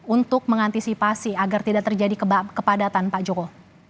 untuk mengantisipasi agar tidak terjadi kepadatan pak joko